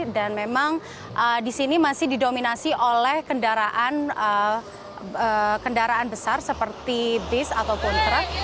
dan memang di sini masih didominasi oleh kendaraan besar seperti bis ataupun truk